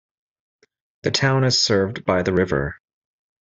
The town is served by the River.